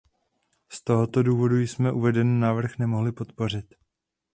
Z tohoto důvodu jsme uvedený návrh nemohli podpořit.